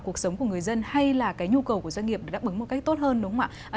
cuộc sống của người dân hay là cái nhu cầu của doanh nghiệp để đáp ứng một cách tốt hơn đúng không ạ